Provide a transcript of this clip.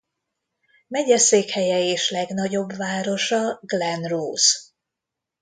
Megyeszékhelye és legnagyobb városa Glen Rose.